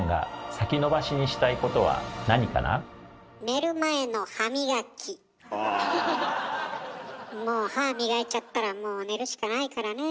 いえということでもう歯磨いちゃったらもう寝るしかないからね。